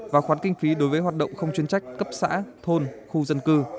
và khoán kinh phí đối với hoạt động không chuyên trách cấp xã thôn khu dân cư